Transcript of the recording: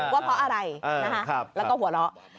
ว่าเพราะอะไรแล้วก็หัวเราะ